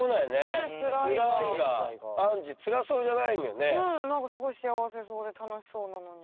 ねえ何かすごい幸せそうで楽しそうなのに。